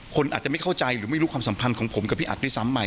คนอาจจะไม่เข้าใจหรือไม่รู้ความสัมพันธ์ของผมกับพี่อัดด้วยซ้ำไป